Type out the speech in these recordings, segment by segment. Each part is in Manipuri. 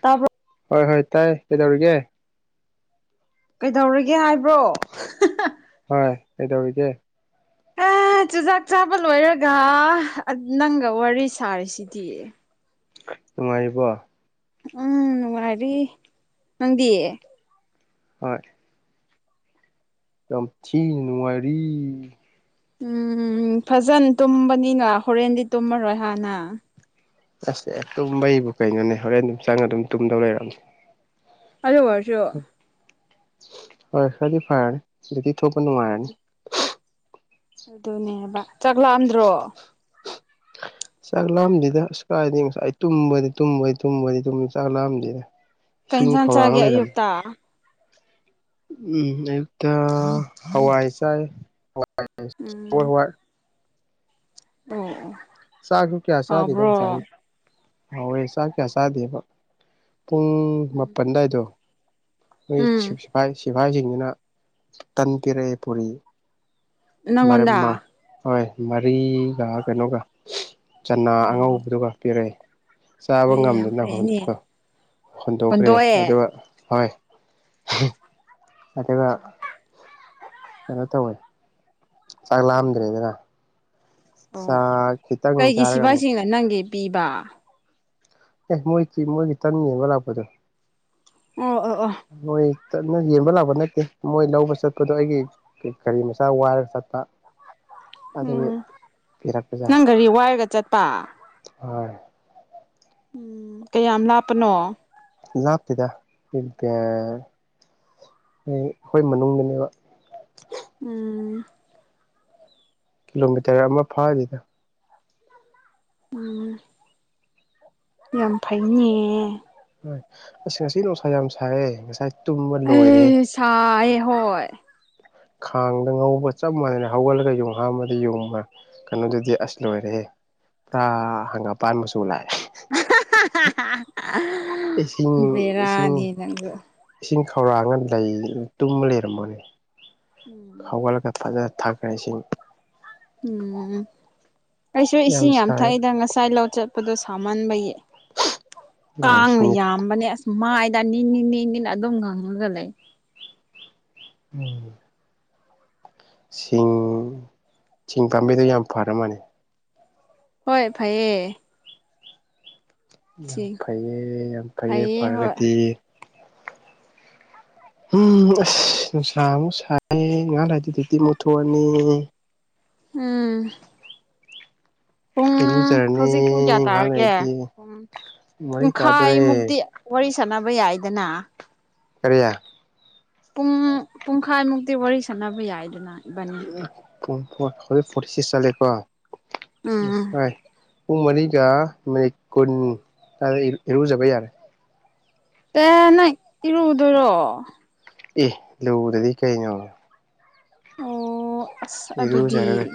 ꯇꯥꯕ꯭ꯔꯣ ꯍꯣꯏ ꯍꯣꯏ ꯇꯥꯏꯌꯦ ꯀꯩꯗꯧꯔꯤꯒꯦ ꯀꯩꯗꯧꯔꯤꯒꯦ ꯍꯥꯏꯕ꯭ꯔꯣ ꯍꯣꯏ ꯀꯩꯗꯧꯔꯤꯒꯦ ꯑꯥ ꯆꯨꯖꯥꯛ ꯆꯥꯕ ꯂꯣꯏꯔꯒ ꯅꯪꯒ ꯋꯥꯔꯤ ꯁꯥꯔꯤꯁꯤꯗꯤ ꯅꯨꯡꯉꯥꯏꯔꯤꯕꯣ ꯎꯝ ꯅꯨꯡꯉꯥꯏꯔꯤ ꯅꯪꯗꯤ ꯍꯣꯏ ꯌꯥꯝꯊꯤ ꯅꯨꯡꯉꯥꯏꯔꯤ ꯎꯝ ꯐꯖꯅ ꯇꯨꯝꯕꯅꯤꯅ ꯍꯣꯔꯦꯟꯗꯤ ꯇꯨꯝꯃꯔꯣꯏ ꯍꯥ ꯅꯪ ꯑꯁ ꯑꯦ ꯇꯨꯝꯕꯩꯕꯨ ꯀꯩꯅꯣꯅꯦ ꯍꯣꯔꯦꯟ ꯑꯗꯨꯝ ꯆꯪꯉꯒ ꯑꯗꯨꯝ ꯇꯨꯝꯗꯧ ꯂꯩꯔꯝꯅꯦ [inaudible] ꯍꯣꯏꯁꯗꯤ ꯐꯔꯔ ꯑꯗꯨꯗꯤ ꯊꯄ ꯅꯨꯡꯉꯥꯏꯅꯤ ꯑꯗꯨꯅꯦꯕ ꯆꯥꯛꯂꯥꯝꯗ꯭ꯔꯣ ꯆꯥꯛ ꯂꯥꯝꯗ‌ꯦꯗ ꯑꯁ ꯀꯥꯏꯗꯒꯤ ꯉꯁꯥꯏ ꯑꯩ ꯇꯨꯝꯕꯅꯤ-ꯇꯨꯝꯕꯅꯤ-ꯇꯨꯝꯕꯅꯤ ꯆꯥꯛ ꯂꯥꯝꯗ‌ꯦꯗꯥ ꯏꯁꯤꯡ ꯈꯧꯔꯥꯡ ꯂꯩꯔꯝꯃꯦ ꯑ ꯎꯝ ꯑꯌꯨꯛꯇ ꯍꯋꯥꯏ ꯆꯥꯏ ꯍꯏ [inaudible] ꯎꯝ ꯍꯋꯥꯏ-ꯍꯋꯥꯏ ꯑꯣ ꯑꯣ ꯆꯥꯛꯁꯨ ꯀꯌꯥ ꯆꯥꯗꯦꯗ ꯍꯥꯎꯕ꯭ꯔꯣ ꯉꯁꯥꯏ ꯑꯌꯨꯛ ꯍꯥꯎ‌ꯋ‌ꯦ ꯆꯥꯛ ꯀꯌꯥ ꯆꯥꯗꯦꯕ ꯄꯨꯡ ꯃꯥꯄꯜ ꯑꯗꯨꯋꯥꯏꯗꯣ ꯅꯣꯏ ꯎꯝ ꯁ ꯁꯤꯐꯥꯏ-ꯁꯤꯐꯥꯏꯁꯤꯡꯁꯤꯅ ꯇꯟ ꯄꯤꯔꯛꯑꯦ [inaudible] ꯅꯪꯉꯣꯟꯗ ꯍꯣꯏ ꯃꯔꯤꯒ ꯀꯩꯅꯣꯒ ꯆꯅꯥ ꯑꯣ ꯑꯉꯧꯕꯗꯨꯒ ꯄꯤꯔꯛꯏ ꯆꯥꯕ ꯑꯩ ꯌꯥꯝ ꯉꯝꯗꯅ ꯐꯩꯅꯦ ꯍ ꯍꯣꯟꯗꯣꯛꯈ꯭ꯔꯦ ꯍꯨꯟꯗꯣꯛꯑꯦ ꯑꯗꯨꯒ ꯍꯣꯏ ꯑꯗꯨꯒ ꯀꯩꯅꯣ ꯇꯧꯋꯦ ꯆꯥꯛ ꯂꯥꯝꯗ꯭ꯔꯦꯗꯅ ꯑꯣ ꯆꯥꯛ ꯈꯤꯇꯪ ꯀꯩꯒꯤ ꯆꯥꯔꯒ ꯑꯃꯨꯛ ꯁꯤꯐꯥꯏꯁꯤꯡꯅ ꯅꯪꯒꯤ ꯄꯤꯕ ꯑꯦ ꯃꯣꯏꯒꯤ-ꯃꯣꯏꯒꯤ ꯇꯟ ꯌ‌ꯦꯟꯕ ꯂꯥꯛꯄꯗꯣ ꯑꯣ ꯑꯣ ꯑꯣ ꯃꯣꯏ [inaudible] ꯌꯦꯡꯕ ꯂꯥꯛꯄ ꯅꯠꯇꯦ ꯃꯣꯏ ꯂꯧꯕ ꯆꯠꯄꯗꯣ ꯑꯩꯒꯤ ꯀ ꯀꯔꯤ ꯃꯆꯥ ꯋꯥꯏꯔꯒ ꯆꯠꯄ ꯑꯗꯨꯒꯤ ꯎꯝ ꯅꯪ ꯄꯤꯔꯛꯄꯖꯥꯠꯅꯤ ꯒꯥꯔꯤ ꯋꯥꯏꯔꯒ ꯆꯠꯄ ꯍꯣꯏ ꯎꯝ ꯀꯌꯥꯝ ꯂꯥꯞꯄꯅꯣ ꯂꯥꯞꯇꯗ ꯑꯩꯈꯣꯏ ꯃꯅꯨꯡꯗꯅꯦꯕ ꯎꯝ ꯀꯤꯂꯣꯃꯤꯇ꯭ꯔ ꯑꯃ ꯐꯥꯅꯤꯗ ꯎꯝ ꯌꯥꯝ ꯐꯩꯅꯦ [inaudible] ꯑꯁ ꯉꯁꯤ ꯅꯨꯡꯁꯥ ꯌꯥꯝ ꯁꯥꯏꯦ ꯉꯁꯥꯏ ꯇꯨꯝꯕ ꯂꯣꯏꯔꯦ ꯄꯩꯁꯥ ꯍꯣꯏ ꯈꯥꯡꯗ ꯉꯧꯕꯒ ꯆꯞ ꯃꯥꯟꯅꯩꯅ ꯍꯧꯒꯠꯂꯒ ꯌꯨꯡ ꯍꯥꯟꯕꯗ ꯌꯨꯡ [inaudible] ꯀꯩꯅꯣꯗꯨꯗꯤ ꯑꯁ ꯂꯣꯏꯔꯦ ꯍ ꯍꯪꯒꯥꯄ ꯃꯁꯨꯨ ꯂꯥꯛꯑꯦ ꯏꯁꯤꯡ-ꯏꯁꯤꯡ ꯕꯦꯔꯥꯅꯤ ꯅꯪꯁꯨ ꯏꯁꯤꯡ ꯈꯧꯔꯥꯡꯅ ꯇꯨꯝꯕ ꯂꯩꯔꯝꯃꯅꯦ ꯎꯝ ꯍꯧꯒꯠꯂꯒ ꯐꯖꯅ ꯊꯛꯈ꯭ꯔ‌ꯦ ꯏꯁꯤꯡ ꯎꯝ ꯑꯩꯁꯨ ꯏꯁꯤꯡ ꯌꯥꯝ ꯊꯛꯏꯗ ꯉꯁꯥꯏ ꯂꯆꯠ ꯠꯄꯗꯣ ꯁꯥꯝꯃꯟꯕꯒꯤ ꯀꯥꯡꯅ ꯁꯤꯡ ꯌꯥꯝ ꯝꯕꯅꯦ ꯑꯁ ꯃꯥꯏꯗ ꯅꯤꯅꯤ-ꯅꯤꯅꯤ ꯑꯗꯨꯝ ꯉꯪꯡꯉꯒ ꯂꯩ ꯎꯝ ꯁꯤꯡ-ꯁꯤꯡ ꯄꯥꯝꯕꯤꯗꯣ ꯌꯥꯝ ꯐꯔ ꯃꯥꯜꯅꯦ ꯍꯣꯏ ꯐꯩꯌꯦ ꯁꯤ ꯌꯥꯝ-ꯐꯩꯌꯦ ꯌꯥꯝ-ꯐꯩꯌꯦ ꯐꯩꯌꯦ ꯍꯣꯏ ꯐꯔꯒꯗꯤ ꯎꯝ ꯑꯁ ꯅꯨꯡꯁꯥ ꯑꯃꯨꯛ ꯁꯥꯏ ꯉꯍꯥꯟ ꯍꯥꯏꯗꯨꯗꯨꯗꯤ ꯃꯨꯠꯊꯣꯛꯑꯅꯤ ꯎꯝ ꯄꯨꯡ ꯏꯔꯨꯖꯔꯅꯤ ꯍꯧꯖꯤꯛ ꯄꯨꯡ ꯀꯌꯥ ꯉꯥꯏꯍꯥꯛ ꯇꯥꯔꯒꯦ ꯂꯩꯔꯗꯤ ꯄꯨꯡ ꯃꯔꯤ ꯇꯥꯗꯣꯔꯦ ꯄꯨꯡꯈꯥꯏꯃꯨꯛꯇꯤ ꯋꯥꯔꯤ ꯁꯥꯅꯕ ꯌꯥꯏꯗꯅ ꯔꯌꯥ ꯄꯨꯡ ꯄꯨꯡꯈꯥꯏꯃꯨꯛꯇꯤ ꯋꯥꯔꯤ ꯁꯥꯟꯅꯕ ꯌꯥꯏꯗꯅ ꯏꯕꯥꯅꯤ ꯄ ꯄ ꯄꯆꯤꯁ ꯆꯂꯦꯀꯣꯣꯏ ꯎꯝ ꯄꯨꯡ ꯃꯔꯤꯒ ꯃꯤꯅꯤꯠ ꯀꯨꯟ ꯁꯨ꯭ꯋꯥꯏꯗ ꯏꯔꯨꯖꯩꯔ ꯇ ꯅꯪ ꯏꯤꯔꯨꯗꯣꯏꯔꯣ ꯑꯦ ꯂꯔꯗꯤ ꯀꯩꯩꯅꯣ ꯑꯣ ꯑꯁ ꯑꯗꯨꯗꯤ ꯏꯔꯨꯖꯔꯒ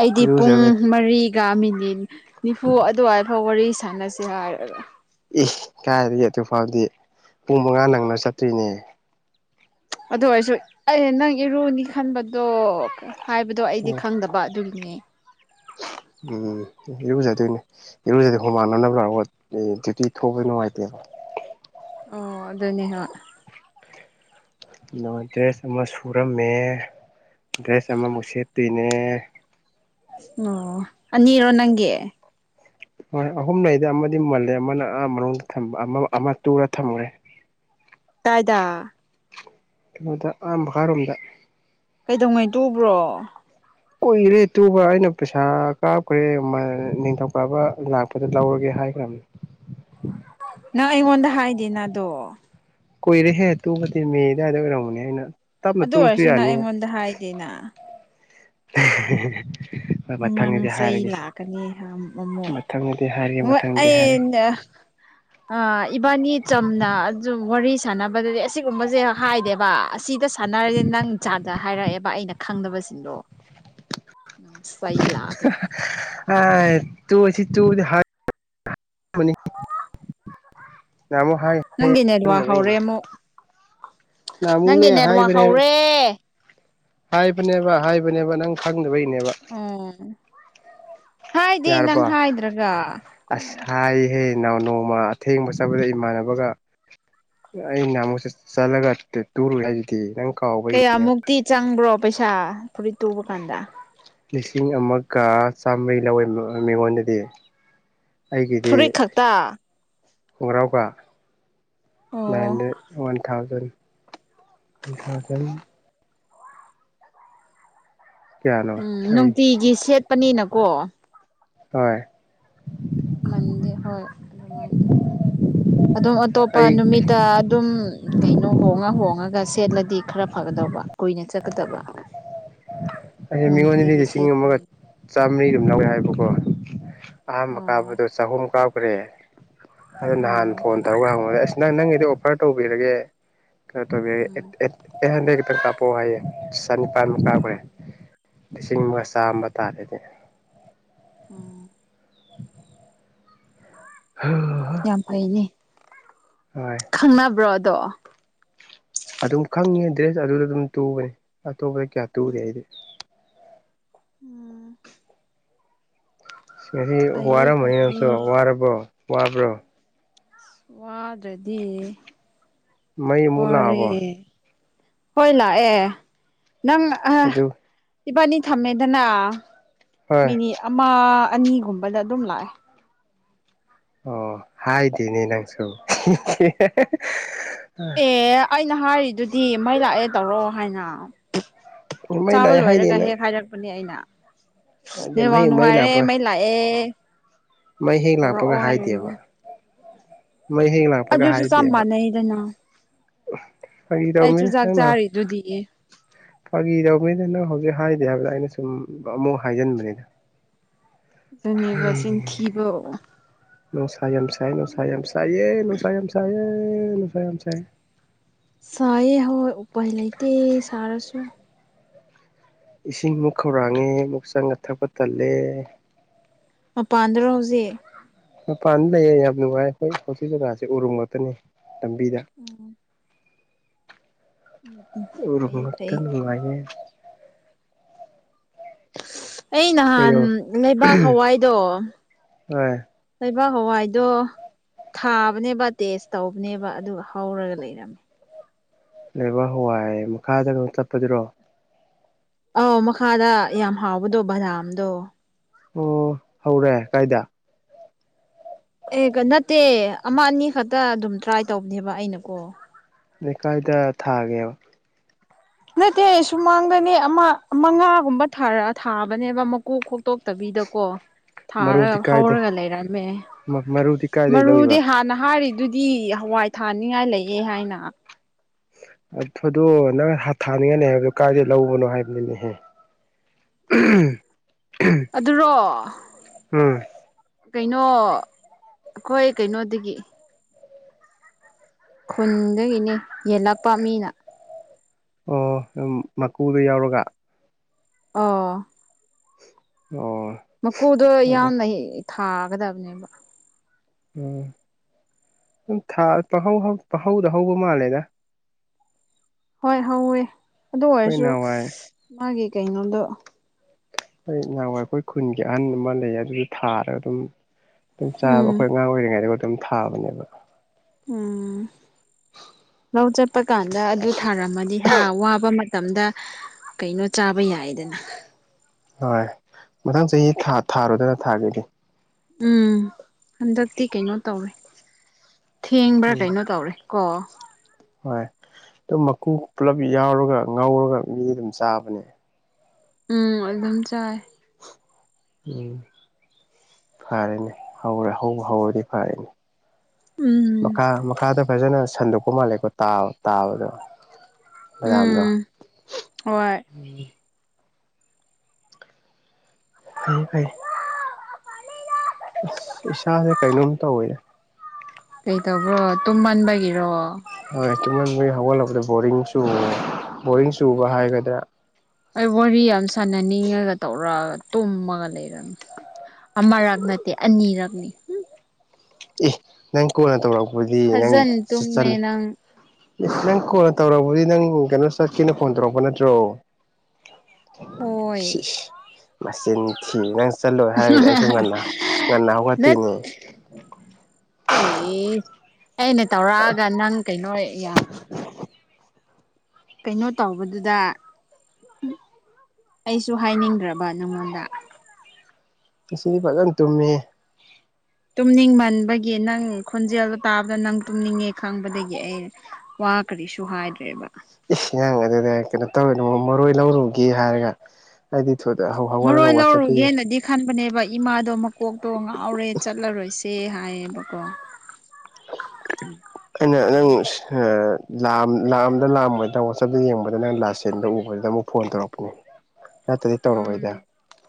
ꯑꯩꯗꯤ ꯄꯨꯡ ꯏꯔꯨꯖꯔꯒ ꯃꯔꯤꯒ ꯃꯤꯅꯤꯠ ꯅꯤꯐꯨ ꯑꯗꯨꯋꯥꯏꯐꯥꯎ ꯋꯥꯔꯤ ꯁꯥꯟꯅꯁꯤ ꯍꯥꯏꯔꯒ ꯏ ꯀꯥꯏꯗꯒꯤ ꯑꯗꯨꯛ ꯐꯥꯎꯗꯤ ꯄꯨꯡ ꯃꯉꯥ ꯅꯪꯅ ꯆꯠꯇ꯭ꯔꯤꯅꯦ ꯑꯗꯨ ꯑꯩꯁꯨ ꯑꯩ ꯅꯪ ꯏꯔꯨꯅꯤ ꯈꯟꯕꯗꯣ ꯍꯥꯏꯕꯗꯣ ꯑꯩꯗꯤ ꯎꯝ ꯈꯪꯗꯕ ꯑꯗꯨꯒꯤꯅꯦ ꯎꯝ ꯏꯔꯨꯖꯗꯣꯏꯅꯦ ꯏꯔꯨꯖꯗꯣꯏ ꯍꯨꯃꯥꯟꯅꯅꯕ ꯂꯥꯛꯄ ꯑꯦ ꯖꯛꯇꯤ ꯊꯣꯛꯕ ꯅꯨꯡꯉꯥꯏꯇꯦꯕ ꯑꯣ ꯑꯗꯨꯅꯦ ꯍ ꯑꯗꯨꯒ ꯗ꯭ꯔꯦꯁ ꯑꯃ ꯁꯨꯔꯝꯃꯦ ꯗ꯭ꯔꯦꯁ ꯑꯃꯃꯨꯛ ꯁꯦꯠꯇꯣꯏꯅꯦ ꯑꯣ ꯑꯅꯤꯔꯣ ꯅꯪꯒꯤ ꯍꯣꯏ ꯑꯍꯨꯝ ꯂꯩꯗ ꯑꯃꯗꯤ ꯃꯜꯂꯦ ꯑꯃꯅ ꯑ ꯃꯅꯨꯡꯗ ꯑꯃ ꯇꯨꯔ ꯊꯝꯈ꯭ꯔꯦ ꯇꯥꯏꯗꯥ ꯀꯩꯅꯣꯗ ꯑꯍ ꯃꯈꯥꯔꯣꯝꯗ ꯀꯩꯗꯧꯉꯩ ꯇꯨꯕ꯭ꯔꯣ ꯀꯨꯏꯔꯦ ꯇꯨꯕ ꯑꯩꯅ ꯄꯩꯁꯥ ꯀꯥꯞꯈ꯭ꯔꯦ ꯅꯤꯡꯊꯧꯀꯥꯕ ꯂꯥꯛꯄꯗ ꯂꯧꯔꯒꯦ ꯍꯥꯏꯈ꯭ꯔꯕꯅꯦ ꯅꯪ ꯑꯩꯉꯣꯟꯗ ꯍꯥꯏꯗꯦ ꯅꯗꯣ ꯀꯨꯏꯔꯦꯍꯦ ꯇꯨꯕꯗꯤꯦ ꯃꯦ ꯑꯗꯨꯋꯥꯏꯗ ꯑꯣꯏꯔꯝꯃꯅꯦ ꯑꯩꯅ ꯊꯃ ꯑꯗꯨ ꯇꯨ ꯐ ꯑꯣꯏꯔꯁꯨ ꯅꯪ ꯌꯥꯅꯤ ꯑꯩꯉꯣꯟꯗ ꯍꯥꯏꯗꯦꯅ ꯅꯪ ꯃꯊꯪꯗꯗꯤ ꯆꯩ ꯍꯥꯏꯔꯒꯦꯁꯦ ꯂꯥꯛꯀꯅꯤ ꯑꯃꯨꯛ ꯃꯊꯪꯗꯗꯤ ꯍꯥꯏꯔꯒꯦ ꯑ ꯃꯊꯪꯗꯗꯤ ꯍꯥꯏꯔꯒꯦ ꯎ ꯏꯕꯥꯅꯤ ꯆꯝꯅ ꯑꯗꯨꯝ ꯋꯥꯔꯤ ꯁꯥꯟꯅꯕꯗꯗꯤ ꯑꯁꯤꯒꯨꯝꯕꯁꯦ ꯍꯥꯏꯗꯦꯕ ꯑꯁꯤꯗ ꯁꯥꯟꯅꯔꯁꯦ ꯅꯪꯖꯥꯗ ꯍꯥꯏꯔꯛꯑꯦꯕ ꯑꯩꯅ ꯈꯪꯗꯕꯁꯤꯡꯗꯣ ꯁꯩ ꯂꯥꯀꯅꯤ ꯑ ꯇꯨꯁꯤ ꯇ ꯍꯥꯏ ꯄꯨꯅꯤ ꯀꯌꯥꯃꯨꯛ ꯍꯥꯏ ꯅꯪꯒꯤ ꯅꯦꯠꯋꯥꯛ ꯍꯧꯔꯦ ꯈꯪꯗꯕꯩꯅꯦ ꯑꯃꯨꯛ ꯅꯍꯥꯟꯃꯨꯛꯅꯦ ꯅꯪꯒꯤ ꯅꯦꯠꯋꯥꯛ ꯍꯥꯏꯕꯅꯦ ꯍꯧꯔꯦ ꯍꯥꯏꯕꯅꯦꯕ ꯍꯥꯏꯕꯅꯦꯕ ꯅꯪ ꯈꯪꯗꯕꯩꯅꯦꯕ ꯑꯣ ꯍꯥꯏꯗꯤꯦ ꯌꯥꯔꯕꯣ ꯅꯪ ꯍꯥꯏꯗ꯭ꯔꯒ ꯑꯁ ꯍꯥꯏ ꯍꯩ ꯅꯧ ꯅꯣꯡꯃ ꯑꯊꯦꯡꯕ ꯆꯠꯄꯗ ꯏꯃꯥꯟꯅꯕꯒ ꯑꯩꯩꯅ ꯃꯨꯁ ꯆꯠꯂꯒꯦ ꯇꯔ ꯍꯥꯏꯗꯤ ꯅꯪ ꯀꯥꯎ ꯀꯌꯥꯃꯨꯛꯇꯤ ꯆꯪꯕ꯭ꯔꯣ ꯄꯩꯁꯥ ꯐꯨꯔꯤꯠ ꯇꯨꯕ ꯀꯥꯟꯗ ꯂꯤꯁꯤꯡ ꯑꯃꯒ ꯆꯥꯝꯃꯔꯤ ꯂꯧꯋꯦ ꯃꯤꯉꯣꯟꯗꯗꯤ ꯑꯩꯒꯤꯗꯤ ꯐꯨꯔꯤꯠ ꯈꯛꯇ ꯈꯣꯡꯒ꯭ꯔꯥꯎꯒ ꯑꯣ ꯅꯥꯏꯟꯗ ꯋꯥꯟ ꯊꯥꯎꯖꯟ ꯋꯥꯟ ꯊꯥꯎꯖꯟ ꯀꯌꯥꯅꯣ ꯎꯝ ꯑꯩ ꯅꯨꯡꯇꯤꯒꯤ ꯁꯦꯠꯄꯅꯤꯅꯀꯣ ꯍꯣꯏ ꯃꯗꯤ ꯍꯣꯏ ꯑꯗꯨꯃꯥꯏꯅ ꯇꯧ ꯑꯗꯨꯝ ꯑꯇꯣꯞꯄ ꯑꯩ ꯅꯨꯃꯤꯠꯇ ꯑꯗꯨꯝ ꯀꯩꯅꯣ ꯍꯣꯡꯉ ꯍꯣꯡꯉꯒ ꯁꯦꯠꯂꯗꯤ ꯈꯔ ꯐꯒꯗꯧꯕ ꯀꯨꯏꯅ ꯆꯠꯀꯗꯕ ꯑ ꯃꯤꯉꯣꯟꯅꯤ ꯅꯨꯡꯇꯤꯒꯤ ꯂꯩꯗ ꯁꯤꯁꯤꯡ ꯃꯒ ꯁꯦꯠꯄꯅꯤ ꯆꯥꯝꯃꯔꯤ ꯑꯗꯨꯝ ꯂꯧꯋꯦ ꯍꯥꯏꯕꯀꯣ ꯑꯍꯥꯟꯕ ꯑꯣ ꯀꯥꯕꯗꯣ ꯆꯍꯨꯝ ꯀꯥꯎꯈ꯭ꯔꯦ ꯑꯗꯨ ꯅꯍꯥꯟ ꯎꯝ ꯐꯣꯟ ꯇꯧꯔꯒ ꯍꯪꯉꯦ ꯑꯁ ꯅꯪ ꯅꯪꯒꯤꯗꯤ ꯑꯣꯐꯔ ꯇꯧꯕꯤꯔꯒꯦ ꯀꯩꯅꯣ ꯇꯧꯕꯤꯔꯦ ꯎꯝ ꯑꯦꯍꯟꯗꯩ ꯈꯤꯇꯪ ꯀꯥꯞꯄꯛꯑꯣ ꯍꯥꯏꯌꯦ ꯆꯥꯅꯤꯄꯥꯟꯃꯨꯛ ꯀꯥꯞꯈ꯭ꯔꯦ ꯎꯝ ꯂꯤꯁꯤꯡ ꯑꯃꯒ ꯆꯥꯝꯃ ꯇꯥꫪ ꯅꯤ ꯎꯝ ꯍꫭ ꯌꯥꯝ ꯐꯩꯅꯦ ꯍꯣꯏ ꯈꯪꯅꯕ꯭ꯔꯣꯗꯣ ꯑꯗꯨꯝ ꯈꯪꯉꯦ ꯗ꯭ꯔꯦꯁ ꯑꯗꯨꯗ ꯑꯗꯨꯝ ꯇꯨꯕꯅꯤ ꯑꯇꯣꯞꯄꯗ ꯀꯌꯥ ꯇꯨꯗꯦ ꯑꯩꯗꯤ ꯎꯝ ꯉꯁꯤ ꯐꯩꯌꯦ ꯋꯥꯔꯃꯅꯤ ꯐꯩꯌꯦ ꯅꯪꯁꯨ ꯋꯥꯔꯕꯣ ꯋꯥꯕ꯭ꯔꯣ ꯋꯥꯗ꯭ꯔꯗꯤ ꯃꯩ ꯑꯃꯨꯛ ꯋꯥꯔꯦ ꯂꯥꯛꯑꯕꯣ ꯍꯣꯏ ꯂꯥꯛꯑꯦ ꯅꯪ ꯑ ꯑꯗꯨ ꯏꯕꯥꯅꯤ ꯊꯝꯃꯦꯗꯅ ꯍꯣꯏ ꯃꯤꯅꯤꯠ ꯑꯃ ꯑꯅꯤꯒꯨꯝꯕꯗ ꯑꯗꯨꯝ ꯂꯥꯛꯑꯦ ꯑꯣ ꯍꯥꯏꯗꯦꯅꯦ ꯅꯪꯁꯨ ꯑꯦ ꯑꯩꯅ ꯍꯥꯏꯔꯤꯗꯨꯗꯤ ꯃꯩ ꯂꯥꯛꯑꯦ ꯇꯧꯔꯣ ꯍꯥꯏꯅ ꯃꯩ ꯆꯥꯕ ꯂꯥꯛꯑꯦ ꯍꯥꯏꯗꯦ ꯂꯣꯏꯔꯒ ꯅꯪ ꯍꯦꯛ ꯍꯥꯏꯔꯛꯄꯅꯦ ꯑꯩꯅ ꯑꯗꯩ ꯅꯦꯠ ꯋꯥꯛ ꯃꯩ ꯅꯨꯡꯉꯥꯏꯔꯦ ꯂꯥꯛꯄ ꯃꯩ ꯂꯥꯛ ꯑꯦ ꯃꯩ ꯍꯦꯛ ꯂꯥꯛꯄꯒ ꯍꯥꯏꯗꯦꯕ ꯃꯩ ꯍꯦꯛ ꯂꯥꯛ ꯑꯗꯨꯁꯨ ꯆꯞ ꯃꯥꯟꯅꯩꯗꯅ ꯐꯥꯒꯤ ꯑꯩ ꯇꯧꯕꯅꯤꯗ ꯆꯨꯖꯥꯛ ꯅꯪꯅ ꯅꯥꯎ ꯆꯥꯔꯤꯗꯨꯗꯤ ꯐꯥꯒꯤ ꯇꯧꯕꯅꯤꯗ ꯅꯪ ꯍꯧꯖꯤꯛ ꯍꯥꯏꯗꯦ ꯍꯥꯏꯕꯗ ꯑꯩꯅ ꯁꯨꯝ ꯑꯃꯨꯛ ꯍꯥꯏꯖꯟꯕꯅꯤꯗ ꯑꯗꯨꯨꯅꯤꯕ ꯁꯤꯟ ꯊꯤꯕ ꯅꯨꯡꯁꯥ ꯌꯦꯝ ꯁꯥꯏ ꯅꯨꯡꯁ ꯌꯦꯝ ꯁꯥꯏꯌꯦ ꯅꯨꯡꯁ ꯌꯦꯝ ꯁꯥꯏꯌꯦ ꯅꯨꯡꯁ ꯌꯦꯝ ꯁꯥꯏꯌꯦ ꯁꯥꯏꯌꯦ ꯍꯣꯏ ꯎꯄꯥꯏ ꯂꯩꯇꯦ ꯁꯥꯔꯁꯨ ꯏꯁꯤꯡ ꯑꯃꯨꯛ ꯈꯧꯔꯥꯡꯉꯦ ꯑꯃꯨꯛ ꯆꯪꯉ ꯊꯛꯄ ꯇꯜꯂꯦ ꯃꯄꯥꯟꯗꯔꫭ ꯍꯧꯖꯤꯛ ꯃꯄꯥꯟ ꯂꯩꯌꯦ ꯌꯥꯝ ꯅꯨꯡꯉꯥꯏ ꯍꯣꯏ ꯍꯧꯁꯤ ꯖꯒꯥꯁꯦ ꯎꯔꯨꯝ ꯉꯥꯛꯇꯅꯤ ꯂꯝꯕꯤꯗ ꯎꯝ ꯎꯝ ꯎꯔꯨꯝ ꯐꯩ ꯉꯛꯇ ꯐꯩ ꯅꯨꯡꯉꯥꯏꯌꯦ ꯑꯩ ꯅꯍꯥꯟ ꯀꯩꯅꯣ ꯂꯩꯕꯥꯛ ꯍꯋꯥꯏꯗꯣ ꯍꯣꯏ ꯂꯩꯕꯥꯛ ꯍꯋꯥꯏꯗꯣ ꯊꯥꯕꯅꯦꯕ ꯇꯦꯁ ꯇꯧꯕꯅꯦꯕ ꯑꯗꯨꯒ ꯍꯧꯔꯒ ꯂꯩꯔꯝꯃꯦ ꯂꯩꯕꯥꯛ ꯍꯋꯥꯏ ꯃꯈꯥꯗ ꯑꯗꯨꯝ ꯆꯠꯄꯗꯨꯔꯣ ꯑꯥꯎ ꯃꯈꯥꯗ ꯌꯥꯝ ꯍꯥꯎꯕꯗꯣ ꯕꯗꯥꯝꯗꯣ ꯑꯣ ꯍꯧꯔꯦ ꯀꯥꯏꯗ ꯑꯦ ꯅꯠꯇꯦ ꯑꯃ ꯑꯅꯤ ꯈꯛꯇ ꯑꯗꯨꯝ ꯇ꯭ꯔꯥꯏ ꯇꯧꯕꯅꯦꯕ ꯑꯩꯅꯀꯣ ꯅꫭꯏ ꯀꯥꯏꯗ ꯊꯥꯒꯦꯕ ꯅꯠꯇꯦ ꯁꯨꯃꯥꯡꯗꯅꯦ ꯑꯃ ꯃꯉꯥꯒꯨꯝꯕ ꯊꯥꯕꯅꯦꯕ ꯃꯀꯣꯛ ꯈꯣꯛꯇꯣꯛꯇꯕꯤꯗ ꯀꯣ ꯊꯥꯔꯒ ꯃꯔꯨꯗꯤ ꯀꯥꯏꯗꯩ ꯍꯧꯔꯒ ꯂꯩꯔꯝꯃꯦ ꯃꯔꯨꯗꯤ ꯀꯥꯏꯗꯩ ꯂꯧꯏꯕ ꯃꯔꯨꯗꯤ ꯍꯥꯟꯅ ꯍꯥꯏꯔꯤꯗꯨ ꯗꯤ ꯍꯋꯥꯏ ꯊꯥꯅꯤꯉꯥꯏ ꯂꯩꯌꯦ ꯍꯥꯏꯅ ꯑꯊꯨꯗꯣ ꯅꯪ ꯊꯥꯅꯤꯡꯉꯥꯏ ꯂꯩ ꯍꯥꯏꯕꯗꯣ ꯀꯥꯏꯏꯗꯩ ꯂꯧꯕꯅꯣ ꯍꯥꯏꯕꯅꯤꯅꯦꯍꯦ ꯎꯝ ꯑꯗꯨꯔꯣ ꯎꯝ ꯀꯩꯅꯣ ꯑꯩꯈꯣꯏ ꯀꯩꯅꯣꯗꯒꯤ ꯈꯨꯟꯗꯒꯤꯅꯦ ꯌꯦꯜꯂꯛꯄ ꯃꯤꯅ ꯑꯣ ꯗꯨꯝ ꯃꯀꯨꯗꫭ ꯌꯥꯎꯔꯒ ꯑꯣ ꯑꯣ ꯃꯀꯨꯗꯣ ꯑꯗ ꯌꯥꯎꯅ ꯊꯥꯒꯗꯕꯅꯦꯕ ꯎꯝ ꯥ [unintelligible] ꯄꯥꯍꯧꯗ ꯍꯧꯕ ꯃꯥꯜꯂꯦꯗ ꯍꯣꯏ ꯍꯧꯋꯦ ꯑꯗꯨ ꯑꯩꯈꯣꯏ ꯑꯣꯏꯔꯁꯨ ꯅꯍꯥꯟꯋꯥꯏ ꯃꯥꯒꯤ ꯀꯩꯅꯣꯗꯣ ꯍꯣꯏ ꯅꯍꯥꯟꯋꯥꯏ ꯑꯩꯈꯣꯏ ꯈꯨꯟꯒꯤ ꯑꯍꯟ ꯑꯃ ꯂꯩ ꯑꯗꯨꯁꯨ ꯊꯥꯔꯒ ꯑꯗꯨꯝ ꯑꯗꯨꯝ ꯆꯥꯕ ꯎꯝ ꯑꯩꯈꯣꯏ ꯑꯉꯥꯡ ꯑꯣꯏꯔꯤꯉꯩꯗꯒ ꯑꯗꯨꯝ ꯊꯥꯕꯅꯦꯕ ꯎꯝ ꯂꯧ ꯆꯠꯄ ꯀꯥꯟꯗ ꯑꯗꯨ ꯊꯥꯔꯝꯃꯗꯤ ꯍꯥ ꯋꯥꯕ ꯃꯇꯝꯗ ꯀꯩꯅꯣ ꯆꯥꯕ ꯌꯥꯏꯗꯅ ꯍꯣꯏ ꯃꯊꯪ ꯆꯍꯤꯥ ꯊꯥꯔꯣꯗꯅ ꯊꯥꯒꯗꯤ ꯎꯝ ꯍꯟꯗꯛꯇꯤ ꯀꯩꯅꯣ ꯇꯧꯔꯦ ꯊꯦꯡꯕ꯭ꯔꯥ ꯎꯝ ꯀꯩꯅꯣ ꯇꯧꯔꯦ ꯀꯣ ꯍꯣꯏ ꯑꯗꯨꯝ ꯃꯀꯨ ꯄꯨꯂꯞ ꯌꯥꯎꯔꯒ ꯉꯧꯎꯔꯒ ꯃꯤ ꯑꯗꯨꯝ ꯆꯥꯕꯅꯦ ꯎꯝ ꯑꯗꯨꯝ ꯆꯥꯏ ꯎꯝ ꯐꯔꯦꯅꯦ ꯍꯧꯕꯨ ꯍꯧ ꯍꯧꯔꯗꯤ ꯐꯔꯦꯅꯦ ꯎꯝ ꯃꯈꯥ ꯃꯈꯥꯗ ꯐꯖꯅ ꯁꯟꯗꯣꯛꯄ ꯃꯥꯜꯂꯦꯀꯣ ꯇꯥꯕꯗꯣ ꯃꯌꯥꯝꯗꯣ ꯎꯝ ꯍꯣꯏ ꯐꯩ ꯐꯩ ꯑꯁ ꯏꯁꯥꯁꯦ ꯀꯩꯅꯣꯝ ꯇꯧꯋꯦ ꯀꯩꯇꯧꯕ꯭ꯔꯣ ꯇꯨꯝꯃꯟꯕꯒꯤꯔꯣ ꯍꯣꯢ ꯇꯨꯝꯃꯟꯕꯩ ꯍꯧꯒꯠꯂꯛꯄꯗ ꯕꯣꯔꯤꯡ ꯆꯨ ꯕꯣꯔꯤꯡ ꯆꯨꯕ ꯍꯥꯏꯒꯗ꯭ꯔꯥ ꯑꯩ ꯋꯥꯔꯤ ꯌꯥꯝ ꯁꯥꯟꯅꯅꯤꯡꯉꯒ ꯇꯧꯔꯛꯑꯒ ꯇꯨꯝꯃꯒ ꯂꯩꯔꯝꯃꯤ ꯑꯃꯔꯛ ꯅꯠꯇꯦ ꯑꯅꯤꯔꯛꯅꯤ ꯑꯦ ꯅꯪ ꯀꯣꯟꯅ ꯇꯧꯔꯛꯄꯗꯤ ꯅꯪ ꯐꯖꯅ ꯇꯨꯝꯃꯦ ꯆꯠꯂꯒ ꯅꯪ ꯑꯦ ꯅꯪ ꯀꯣꯟꯅ ꯇꯧꯔꯛꯕꯗꯤ ꯅꯪ ꯀꯩꯅꯣ ꯆꯠꯀꯦꯅ ꯐꯣꯟ ꯇꯧꯔꯛꯄ ꯅꯠꯇ꯭ꯔꯣ ꯍꯣꯏ ꯁꯤꯁ ꯃꯆꯤꯟ ꯊꯤ ꯅꯪ ꯆꯠꯂꯣꯏ ꯍꯥꯏꯔꯗꯤ ꯑꯩꯁꯨ ꯉꯟꯅ ꯉꯟꯅ ꯍꯧꯒꯠꯇꯣꯏꯅꯦ ꯑꯦ ꯑꯩꯅ ꯇꯧꯔꯛꯑꯒ ꯅꯪ ꯀꯩꯅꯣ ꯀꯩꯅꯣ ꯇꯧꯕꯗꯨꯗ ꯑꯩꯁꯨ ꯍꯥꯏꯅꯤꯡꯗ꯭ꯔꯕ ꯅꯪꯉꯣꯟꯗ ꯉꯁꯤꯗꯤ ꯐꯖꯅ ꯇꯨꯝꯃꯦ ꯇꯨꯝꯅꯤꯡꯃꯟꯕꯒꯤ ꯅꯪ ꯈꯣꯟꯖꯦꯜ ꯇꯥꯕꯗ ꯅꯪ ꯇꯨꯝꯅꯤꯡꯉꯦ ꯈꯪꯕꯗꯒꯤ ꯑꯩ ꯋꯥ ꯀꯔꯤꯁꯨ ꯍꯥꯏꯗ꯭ꯔꯦꯕ ꯏꯁ ꯅꯪꯅ ꯑꯗꯨꯗ ꯀꯩꯅꯣ ꯇꯧꯔꯦꯅ ꯃꯔꯣꯏ ꯂꯧꯔꯨꯒꯦ ꯍꯥꯏꯔꯒ ꯍꯥꯏꯗꯤ ꯊꯨꯅ ꯍꯧꯒꯠꯂꯒ ꯃꯔꯣꯏ ꯋꯥꯠꯆꯞ ꯄꯥꯏꯌꯦ ꯂꯧꯔꯨꯒꯦꯅꯗꯤ ꯈꯟꯕꯅꯦꯕ ꯏꯃꯥꯗꯣ ꯃꯀꯣꯛꯇꯣ ꯉꯥꯎꯔꯦ ꯆꯠꯂꯔꯣꯏꯁꯦ ꯍꯥꯏꯌꯦꯕꯀꯣ ꯑꯩꯅꯪ [unintelligible] ꯂꯥꯛꯑꯝꯗ ꯂꯥꯛꯑꯝꯃꯣꯢꯗ ꯋꯥꯆꯞꯇ ꯌꯦꯡꯕꯗ ꯅꯪ ꯂꯥꯁꯁꯤꯟꯗ ꯌꯦꯡꯕꯗ ꯑꯃꯨꯛ ꯐꯣꯟ ꯇꯧꯔꯛꯄꯅꯦ ꯅꯠꯇ꯭ꯔꯗꯤ ꯎꯝ ꯇꯧꯔꯛꯑꯣꯏꯗ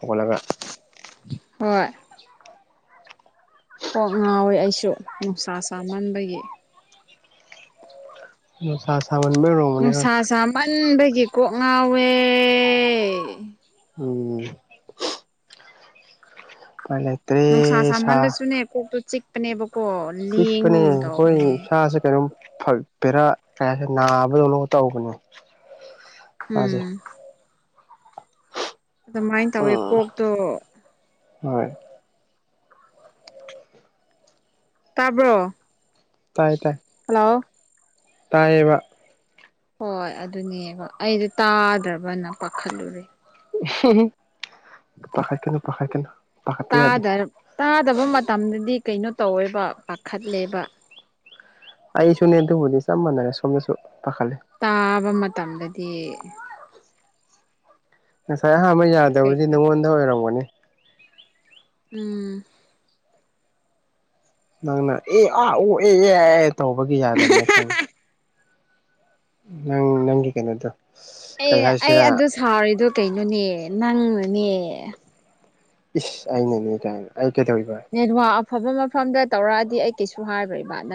ꯍꯧꯒꯠꯂꯒ ꯍꯣꯏ ꯀꯣꯛ ꯉꯥꯎꯋꯦ ꯑꯩꯁꯨ ꯅꯨꯡꯁꯥ ꯁꯥꯃꯟꯕꯒꯤ ꯅꯨꯡꯁꯥ ꯁꯥꯥꯃꯟꯕꯩ ꯑꯣꯢꯔꯝꯅꯤꯍꯦ ꯅꯨꯡꯁꯥ ꯁꯥꯃꯟꯕꯒꯤ ꯀꯣꯛ ꯉꯥꯎꯋꯦ ꯎꯝ ꯐꯅꯦ ꯅꯨꯡꯁꯥ ꯁꯥꯃꯜꯂꯁꯨꯅꯦ ꯀꯣꯛꯇꯨ ꯆꯤꯛꯄꯅꯦꯕꯀꯣ ꯁꯤꯞꯄꯅꯦ ꯂꯦꯡꯕꯒꯨꯝ ꯍꯣꯏ ꯇꯧꯕꯅꯦ ꯁꯥꯁꯦ ꯀꯩꯅꯣ ꯄꯦꯔꯥ ꯍꯥꯏꯗꯤ ꯅꯥꯕꯗꯧꯅ ꯇꯧꯕꯅꯦ ꯏꯁꯥꯁꯦ ꯎꯝ ꯑꯔꯃꯥꯏꯅ ꯇꯧꯋꯤ ꯎꯝ ꯀꯣꯛꯇꯣ ꯍꯣꯏ ꯇꯥꯕ꯭ꯔꯣ ꯇꯥꯏ ꯇꯥꯏ ꯍꯜꯂꯣ ꯇꯥꯏꯌꯦꯕ ꯍꯣꯏ ꯑꯗꯨꯅꯦꯕ ꯑꯩꯗꯤ ꯇꯥꯗ꯭ꯔꯕꯅ ꯄꯥꯈꯠꯂꯨꯔꯦ ꯄꯥꯈꯠꯀꯅꯨ ꯄꯥꯈꯠꯀꯅꯨ ꯄꯥꯈꯠꯄ ꯌꯥꯗꯦ ꯇꯥꯗ ꯇꯥꯗꯕ ꯃꯇꯝꯗꯗꯤ ꯀꯩꯅꯣ ꯇꯧꯋꯦꯕ ꯄꯥꯈꯠꯂꯦꯕ ꯑꯩꯁꯨꯅꯦ ꯑꯗꯨꯕꯨꯗꯤ ꯆꯞ ꯃꯥꯟꯅꯔꯦ ꯁꯣꯝꯗꯁꯨ ꯄꯥꯈꯠꯂꯦ ꯇꯥꯕ ꯃꯇꯝꯗꯗꯤ ꯉꯁꯥꯏ ꯑꯍꯥꯟꯕ ꯌꯥꯗꯕꯁꯤ ꯀꯩꯅꯣ ꯅꯉꯣꯟꯗ ꯇꯧꯋꯦꯕ ꯑꯣꯏꯔꯝꯒꯅꯤ ꯎꯝ ꯅꯪꯅ ꯑꯦ ꯑꯥ ꯑꯣ ꯑꯦ ꯑꯦ ꯍꯦ ꯇꯧꯕꯒꯤ ꯌꯥꯗꯕꯅꯦ ꯈꯪ ꯅꯪ ꯅꯪꯒꯤ ꯀꯩꯅꯣꯗꯣ ꯑꯦ ꯀꯩ ꯑꯩ ꯍꯥꯏꯁꯤꯔꯥ ꯑꯗꯨ ꯁꯥꯎꯔꯤꯗꯣ ꯀꯩꯅꯣꯅꯦ ꯅꯪꯅꯅꯦ ꯏꯁ ꯑꯩꯅꯅꯦ ꯀꯥꯏꯅ ꯑꯩ ꯀꯩꯗꯧꯔꯤꯕ ꯅꯦꯋꯥꯥꯛ ꯑꯐꯕ ꯃꯐꯝꯗ ꯇꯧꯔꯛꯑꯗꯤ ꯑꯩ ꯀꯩꯁꯨ ꯍꯥꯏꯔꯣꯏꯕ ꯅ